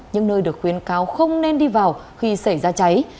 những nơi được khuyến cáo không nên đi vào khi xảy ra cháy